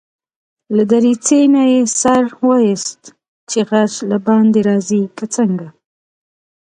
له دريڅې نه يې سر واېست چې غږ له باندي راځي که څنګه.